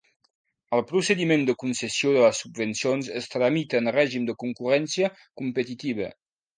El procediment de concessió de les subvencions es tramita en règim de concurrència competitiva.